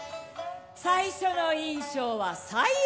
最初の印象は最悪。